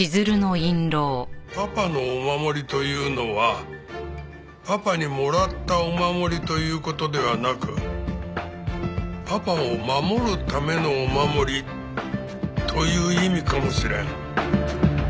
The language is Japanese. パパのお守りというのはパパにもらったお守りという事ではなくパパを守るためのお守りという意味かもしれん。